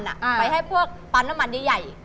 ไปให้พวกปั๊มน้ำมันใหญ่